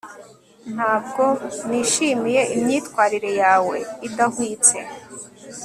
ntabwo nishimiye imyitwarire yawe idahwitse